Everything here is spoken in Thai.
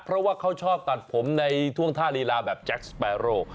เพราะว่าเขาชอบตัดผมในท่วงท่าลีลาแบบแจ็คสเปโร